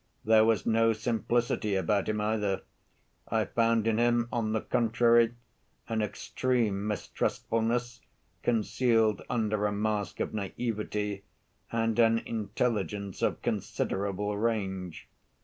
There was no simplicity about him, either. I found in him, on the contrary, an extreme mistrustfulness concealed under a mask of naïveté, and an intelligence of considerable range.